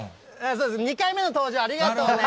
２回目の登場、ありがとうね。